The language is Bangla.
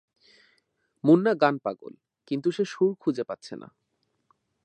মুন্না গান পাগল, কিন্তু সে সুর খুঁজে পাচ্ছে না।